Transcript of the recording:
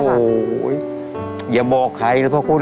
โอ้โฮเดี๋ยวบอกใครนะพ่อคุณ